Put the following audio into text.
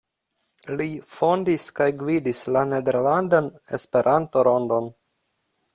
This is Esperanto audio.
Li fondis kaj gvidis la "Nederlandan Esperanto-Rondon.